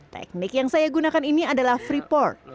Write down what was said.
teknik yang saya gunakan ini adalah free pour